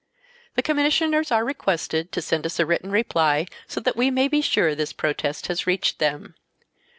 The Commissioners are requested to send us a written reply so that we may be sure this protest has reached them.